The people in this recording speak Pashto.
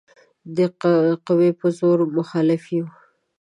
د قوې په زور مخالف یو.